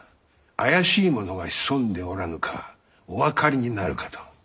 怪しい者が潜んでおらぬかお分かりになるかと。